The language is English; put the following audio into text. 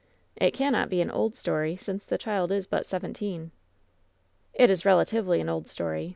"It cannot be an old story, since the child is but seventeen." "It is relatively an old story.